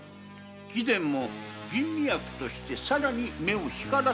貴殿も吟味役としてさらに目を光らせてくだされ。